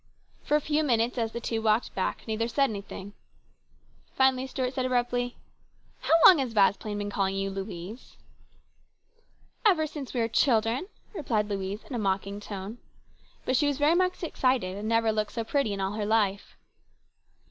For a few minutes, as the two walked back, neither said anything. Finally Stuart asked abruptly :" How long has Vasplaine been calling you ' Louise '?"" Ever since we were children," replied Louise in a mocking tone. But she was very much excited and never looked so pretty in all her life.